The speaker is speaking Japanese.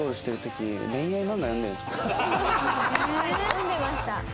読んでました。